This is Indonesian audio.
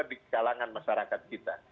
di kalangan masyarakat kita